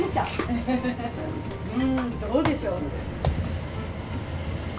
んどうでしょう。